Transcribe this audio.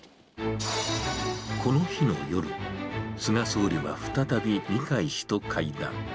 この日の夜、菅総理は再び二階氏と会談。